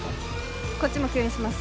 こっちも吸引します